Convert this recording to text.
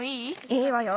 いいわよ